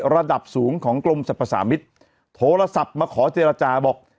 ระดับสูงของกรมสรรพสามิตรโทรศัพท์มาขอเจรจาบอก